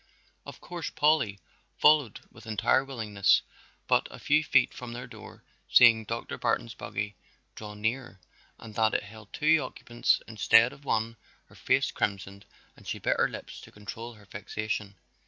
Of course Polly followed with entire willingness, but a few feet from their door, seeing Dr. Barton's buggy draw nearer and that it held two occupants instead of one, her face crimsoned and she bit her lips to control her vexation.